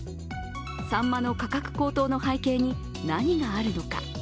さんまの価格高騰の背景に何があるのか。